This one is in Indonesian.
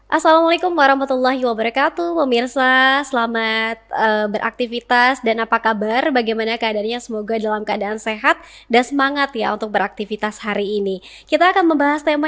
assalamualaikum warahmatullahi wabarakatuh